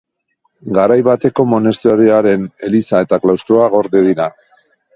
Garai bateko monasterioaren eliza eta klaustroa gorde dira.